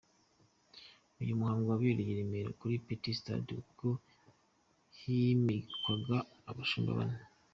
Uyu muhango wabereye i Remera kuri Petit Stade ubwo himikwaga abashumba bane.